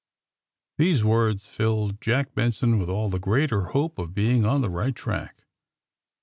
These words filled Jack Benson with all the greater hope of being on the right track.